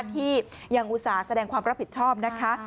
ที่ยังอุตส่าห์แสดงความรับผิดชอบนะคะ